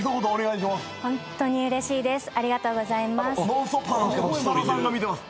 『ノンストップ！』さんなんですが設楽さんが見てます。